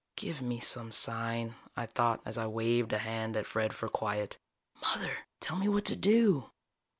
Give me some sign, I thought, as I waved a hand at Fred for quiet. _Mother, tell me what to do!